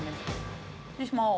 失礼します。